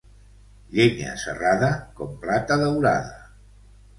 Llenya serrada, com plata daurada.